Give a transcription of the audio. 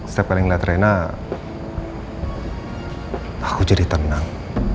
setiap kali ngeliat reina aku jadi tenang